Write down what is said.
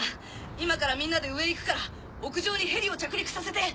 今からみんなで上へ行くから屋上にヘリを着陸させて！